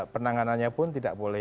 penanganannya pun tidak boleh